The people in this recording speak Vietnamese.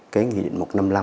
cái nghị định một trăm năm mươi